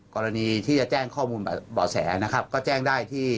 กรณีที่จะแจ้งข้อมูลบ่อแสนะครับก็แจ้งได้ที่